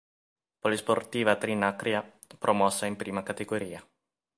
Polisportiva Trinacria", promossa in Prima Categoria.